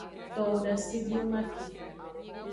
Towo dasediwoman ke.